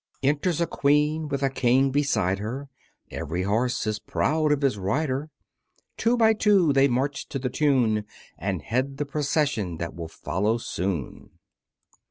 Enters a Queen with a King beside her; Every horse is proud of his rider; Two by two they march to the tune, And head the procession that will follow soon.